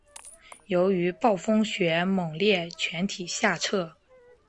由于暴风雪猛烈全体下撤。